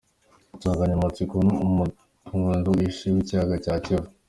Insanganyamatsiko ni: “Umutungo uhishe w’Ikiyaga cya Kivu.